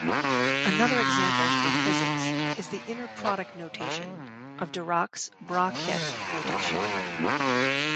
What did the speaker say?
Another example from physics is the inner product notation of Dirac's bra-ket notation.